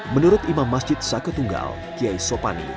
menurut imam masjid saka tunggal kiai sopani